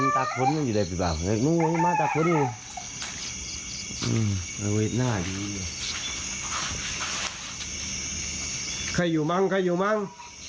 ใครอยู่มั้งใครอยู่มั้ง